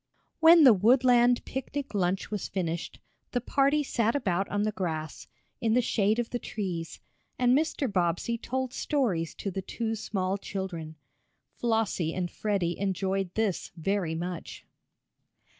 When the woodland picnic lunch was finished, the party sat about on the grass, in the shade of the trees, and Mr. Bobbsey told stories to the two small children. Flossie and Freddie enjoyed this very much.